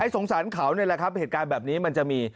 สงสารเขานี่แหละครับเหตุการณ์แบบนี้มันจะมี